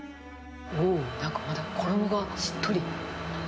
おー、なんかまだ衣がしっとり。